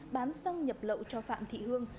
bán xăng nhập lậu cho phạm thị hương